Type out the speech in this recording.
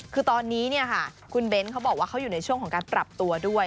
คือตอนนี้คุณเบ้นเขาบอกว่าเขาอยู่ในช่วงของการปรับตัวด้วย